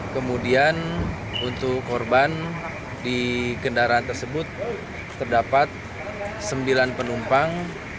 kemudian untuk korban di kendaraan tersebut terdapat sembilan penumpang